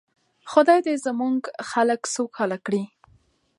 خدای دې زموږ خلک سوکاله کړي.